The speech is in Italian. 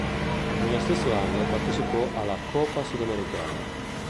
Nello stesso anno partecipò alla Copa Sudamericana.